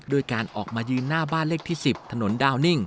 ด้วยการออกมายืนหน้าบ้านเลขที่๑๐ถนนดาวนิ่ง